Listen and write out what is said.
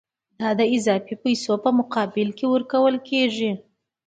دا د اضافي پیسو په مقابل کې ورکول کېږي